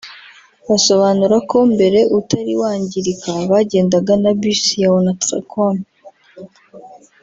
Basobanura ko mbere utari wangirika bagendaga na Bus ya Onatracom